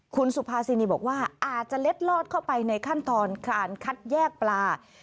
คุณสุภาษินีบอกว่าอาจจะเล็ดลอดเข้าไปในขั้นตอนการคัดแยกปลา